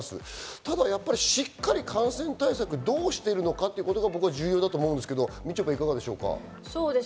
ただ、しっかり感染対策をどうしているのかが重要だと思うんですけど、みちょぱ、いかがですか？